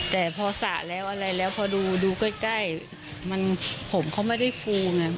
แต่พอสระแล้วอะไรแล้วพอดูใกล้มันผมเขาไม่ได้ฟูไง